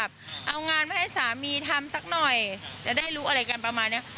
เธอก็ทำในสิ่งที่มันผิดกฎหมายดีกว่า